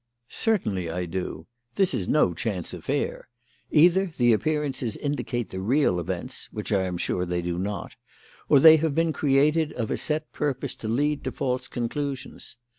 "Certainly I do! This is no chance affair. Either the appearances indicate the real events which I am sure they do not or they have been created of a set purpose to lead to false conclusions.